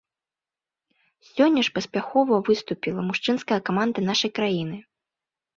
Сёння ж паспяхова выступіла мужчынская каманда нашай краіны.